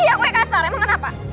iya kue kasar emang kenapa